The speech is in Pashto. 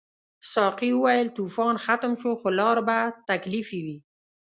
ساقي وویل طوفان ختم شو خو لار به تکلیفي وي.